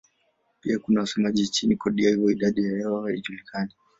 Pia kuna wasemaji nchini Cote d'Ivoire; idadi yao haijulikani.